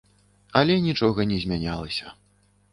Але нічога не змянялася.